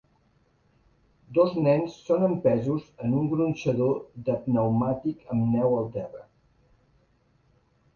Dos nens són empesos en un gronxador de pneumàtic amb neu al terra.